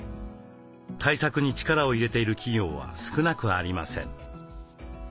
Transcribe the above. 対策に力を入れている企業は少なくありません。